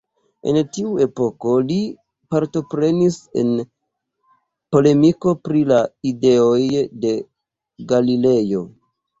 En tiu epoko li partoprenis en polemiko pri la ideoj de Galilejo.